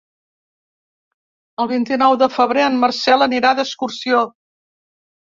El vint-i-nou de febrer en Marcel anirà d'excursió.